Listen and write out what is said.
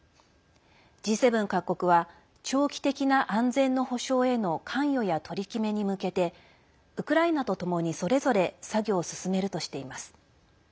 Ｇ７各国は長期的な安全の保証への関与や取り決めに向けてウクライナとともにそれぞれ作業を進めるとしています。